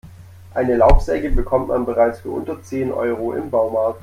Eine Laubsäge bekommt man bereits für unter zehn Euro im Baumarkt.